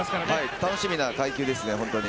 楽しみな階級ですね、ホントに。